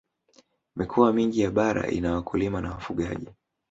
mikoa mingi ya bara ina wakulima na wafugaji